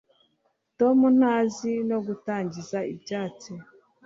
tom ntazi no gutangiza ibyatsi